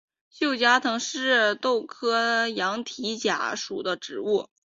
锈荚藤是豆科羊蹄甲属的植物。